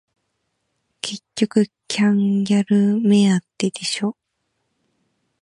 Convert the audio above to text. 結局キャンギャル目当てでしょ